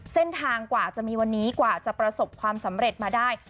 เส้นทางกว่าจะมีวันนี้กว่าจะประสบความสำเร็จมาได้